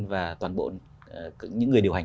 và toàn bộ những người điều hành